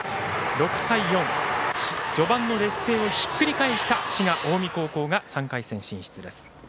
６対４、序盤の劣勢をひっくり返した滋賀・近江高校が３回戦進出です。